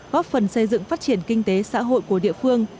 góp phần xây dựng phát triển kinh tế xã hội của địa phương